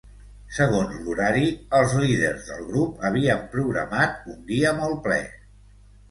Segons l'horari, els líders del grup havien programat un dia molt ple.